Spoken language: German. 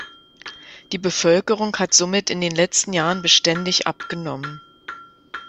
Die Bevölkerung hat somit in den letzten Jahren beständig abgenommen.